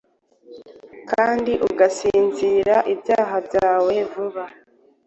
Kandi ugasinzira ibyaha byawe vuba.